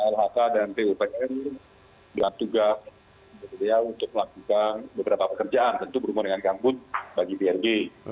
lhk dan pupr tugas untuk melakukan beberapa pekerjaan tentu berhubungan dengan gambut bagi brg